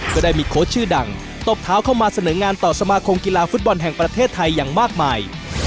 ก็ได้มีโค้ชชื่อดังตบเท้าเข้ามาเสนองานต่อสมาคมกีฬาฟุตบอลแห่งประเทศไทยอย่างมากมาย